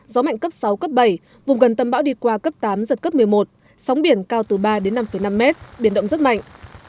gió mạnh cấp sáu cấp bảy vùng gần tâm bão đi qua cấp tám giật cấp một mươi một sóng biển cao từ ba đến năm năm mét biển động rất mạnh